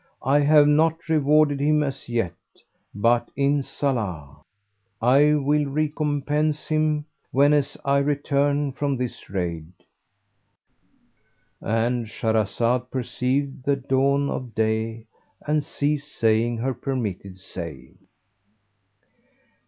I have not rewarded him as yet, but Inshallah! I will recompense him whenas I return from this raid"—And Shahrazad perceived the dawn of day and ceased saying her permitted say.